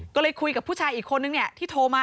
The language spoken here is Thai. ก็เลยคุยกับผู้ชายอีกคนนึงที่โทรมา